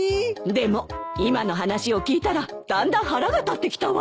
でも今の話を聞いたらだんだん腹が立ってきたわ。